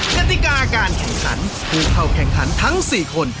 กติกาการแข่งขันผู้เข้าแข่งขันทั้ง๔คน